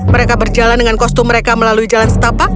mereka berjalan dengan kostum mereka melalui jalan setapak